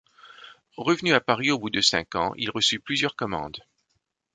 Revenu à Paris au bout de cinq ans, il reçut plusieurs commandes.